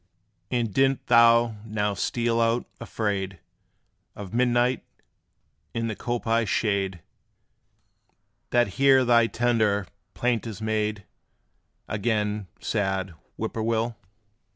And didst thou now steal out, afraid Of midnight in the coppice shade, That here thy tender plaint is made Again, sad Whip poor will?